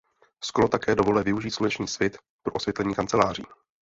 Sklo také dovoluje využít sluneční svit pro osvětlení kanceláří.